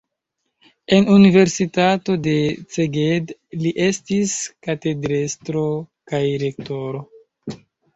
En universitato de Szeged li estis katedrestro kaj rektoro.